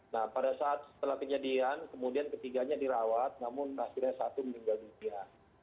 nah pada saat setelah kejadian kemudian ketiganya dirawat namun hasilnya satu meninggal dunia